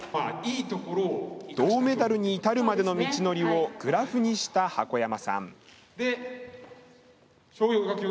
銅メダルに至るまでの道のりをグラフにした箱山さん。